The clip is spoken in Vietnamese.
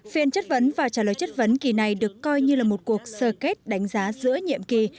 phiên chất vấn và trả lời chất vấn kỳ này được coi như là một cuộc sơ kết đánh giá giữa nhiệm kỳ